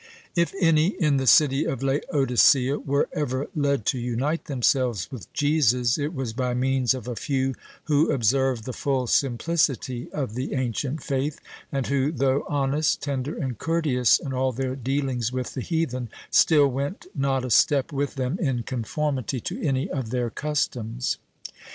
If any in the city of Laodicea were ever led to unite themselves with Jesus, it was by means of a few who observed the full simplicity of the ancient faith, and who, though honest, tender, and courteous in all their dealings with the heathen, still went not a step with them in conformity to any of their customs.